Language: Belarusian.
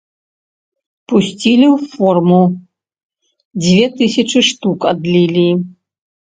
Пусцілі ў форму, дзве тысячы штук адлілі.